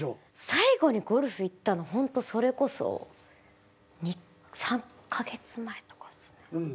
最後にゴルフ行ったのそれこそ３カ月前とかですね。